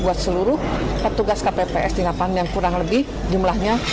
untuk seluruh petugas kpps yang kurang lebih jumlahnya enam puluh satu delapan ratus